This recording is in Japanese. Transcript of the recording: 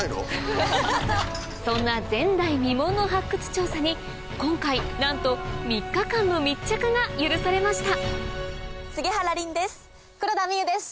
そんな前代未聞の発掘調査に今回なんと３日間の密着が許されました杉原凜です。